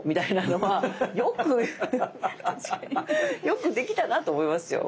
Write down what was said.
よくできたなと思いますよ。